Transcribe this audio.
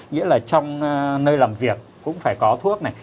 nghĩa là trong nơi làm việc cũng phải có thuốc này